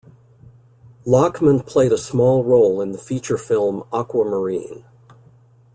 Lachman played a small role in the feature film "Aquamarine".